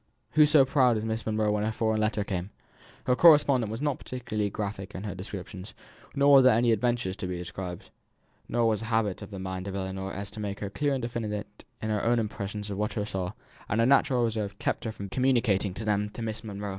Who so proud as Miss Monro when a foreign letter came? Her correspondent was not particularly graphic in her descriptions, nor were there any adventures to be described, nor was the habit of mind of Ellinor such as to make her clear and definite in her own impressions of what she saw, and her natural reserve kept her from being fluent in communicating them even to Miss Monro.